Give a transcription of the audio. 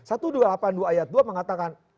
satu dua ratus delapan puluh dua ayat dua mengatakan